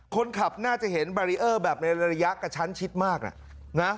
คนขับน่าจะเห็นบารีเออร์แบบในระยะกระชั้นชิดมากน่ะนะ